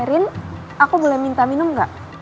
irin aku boleh minta minum gak